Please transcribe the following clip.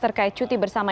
terkait cuti bersama